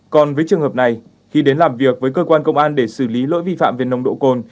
còn với trường hợp này khi đến làm việc với cơ quan công an để xử lý lỗi vi phạm về nồng độ cồn